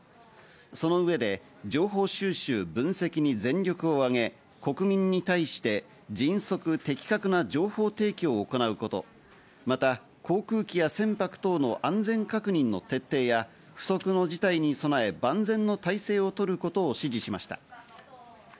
その上で情報収集・分析に全力を挙げ、国民に対して迅速・的確な情報提供を行うことまた、航空機や船舶等の安全確認の徹底や不測の事態に備え万全の態勢をとることを指示しました。